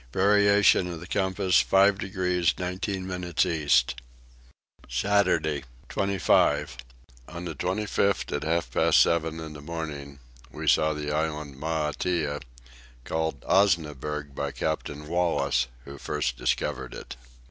Variation of the compass 5 degrees 19 minutes east. Saturday 25. On the 25th at half past seven in the morning we saw the Island Maitea, called Osnaburg by Captain Wallis, who first discovered it.